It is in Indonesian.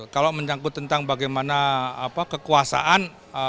kalau menyangkut tentang bagaimana kekuasaan